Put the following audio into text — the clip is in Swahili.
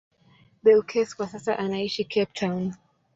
Beukes kwa sasa anaishi Cape Town.